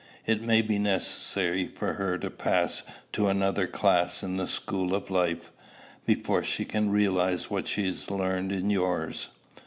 It may be necessary for her to pass to another class in the school of life, before she can realize what she learned in yours."